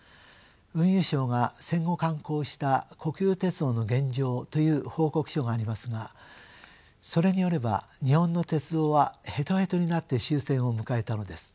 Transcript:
運輸省が戦後刊行した「国有鉄道の現状」という報告書がありますがそれによれば日本の鉄道はヘトヘトになって終戦を迎えたのです。